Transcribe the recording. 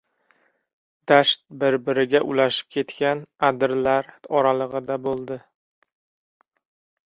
Dasht bir-biriga ulashib ketgan adirlar oralig‘ida bo‘ldi.